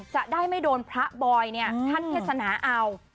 จะได้ไม่โดนพระบอยเนี่ยท่านเทศนาเอา